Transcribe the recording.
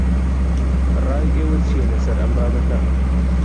ڕای ئێوە چییە لەسەر ئەم بابەتە؟